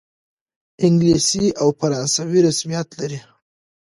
انګلیسي او فرانسوي رسمیت لري.